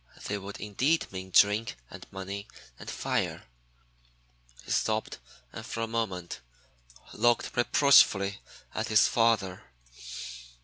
They would indeed mean 'drink and money and fire.'" He stopped and for a moment looked reproachfully at his father.